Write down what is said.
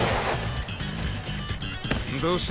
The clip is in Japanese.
どうした？